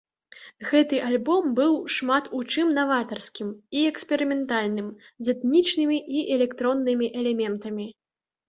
Гэты альбом быў шмат у чым наватарскім і эксперыментальным, з этнічнымі і электроннымі элементамі.